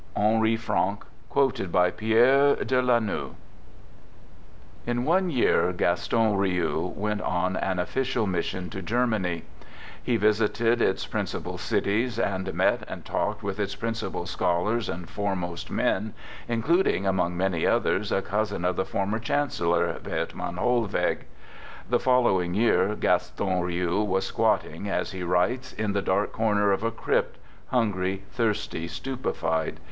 — Henri Franck, quoted by Pierre de Lanux. In one year, Gaston Riou went on an official mis sion to Germany. He visited its principal cities and met and talked with its principal scholars and fore most men, including, among many others, a cousin of the former chancellor, Bethmann Hollweg. The following year Gaston Riou was squatting, as he writes, in the dark corner of a crypt, hungry, thirsty, stupefied.